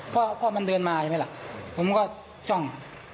พ่อพ่อมันเดินมาใช่ไหมผมก็จ้อง